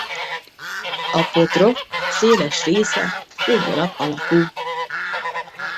A potroh széles része téglalap alakú.